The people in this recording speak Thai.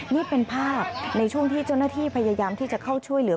นี่เป็นภาพในช่วงที่เจ้าหน้าที่พยายามที่จะเข้าช่วยเหลือ